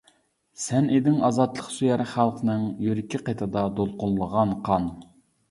سەن ئىدىڭ ئازادلىق سۆيەر خەلقنىڭ، يۈرىكى قېتىدا دولقۇنلىغان قان.